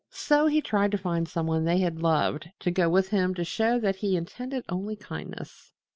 So he tried to find some one they had loved to go with him to show that he intended only kindness.